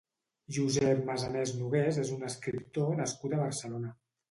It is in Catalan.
Josep Masanés Nogués és un escriptor nascut a Barcelona.